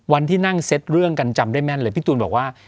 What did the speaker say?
วันที่นั่งเซ็ตเรื่องกันจำได้แม่นเลยพี่ตูนบอกว่า